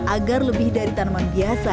agar lebih dari tanaman biasa